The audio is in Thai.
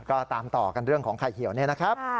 ก็ตามต่อกันเรื่องของไข่เหี่ยวนี่นะครับ